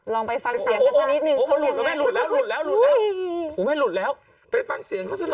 ลองไปฟังเสียงก็ได้นิดนึง